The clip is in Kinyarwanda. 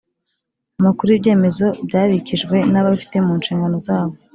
amakuru y ibyemezo byabikijwe n ababifite mu nshingano zabo